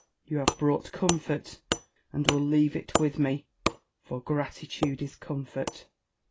You have brought comfort^ and will leave it with me, for gratitude is comfort.